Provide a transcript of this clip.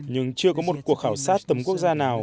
nhưng chưa có một cuộc khảo sát tầm quốc gia nào